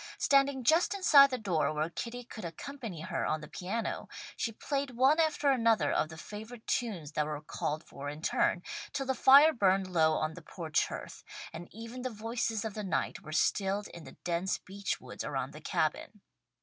Standing just inside the door where Kitty could accompany her on the piano, she played one after another of the favourite tunes that were called for in turn, till the fire burned low on the porch hearth, and even the voices of the night were stilled in the dense beech woods around the Cabin.